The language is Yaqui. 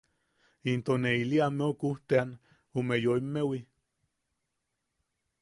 Into ne ili ameu kujteʼean ume yoimmewi.